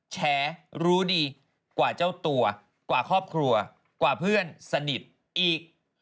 แชร์รู้ดีกว่าเจ้าตัวกว่าครอบครัวกว่าเพื่อนสนิทอีก